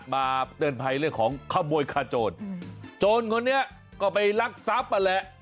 มาเตือนภัยเรื่องของข้าวโมยฆ่าโจรโจรคนนี้ก็ไปรักษัพอ่ะแหละ